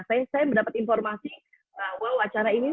saya mendapat informasi bahwa wacana ini